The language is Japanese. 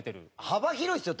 幅広いんですよ。